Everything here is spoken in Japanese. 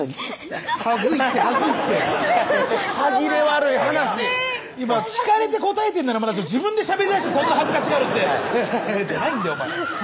ハハハ恥ずいって恥ずいって歯切れ悪い話今聞かれて答えてんならまだしも自分でしゃべりだしてそんな恥ずかしがるって「ハハハ」じゃないんだよ